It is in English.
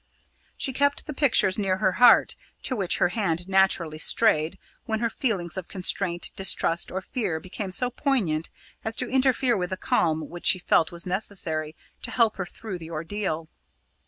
She kept the pictures near her heart, to which her hand naturally strayed when her feelings of constraint, distrust, or fear became so poignant as to interfere with the calm which she felt was necessary to help her through her ordeal.